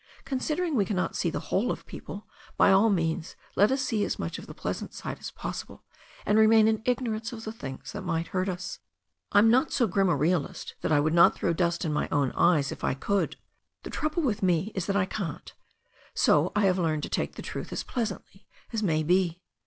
Considering we cannot see the whole of people, by all means let us see as much of the pleasant side as possible, and remain in ignorance of the things that might hurt us. I'm not so grim a realist that I would not throw dust in my own eyes if I could. The trouble with me is that I can't, so I have learned to take the truth as pleasantly as may be.